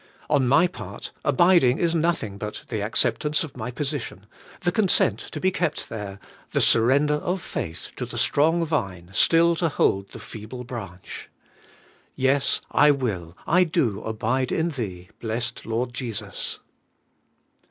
On my part, abid ing is nothing but the acceptance of my position, the consent to be kept there, the surrender of faith to the strong Vine still to hold the feeble branch. Yes, I will, I do abide in Thee, blessed Lord Jesus.